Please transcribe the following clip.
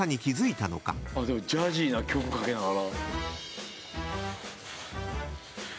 ジャジーな曲かけながら。